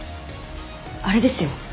あれですよ。